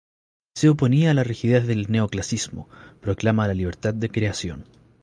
Se oponía a la rigidez del neoclasicismo. Proclama la libertad de creación.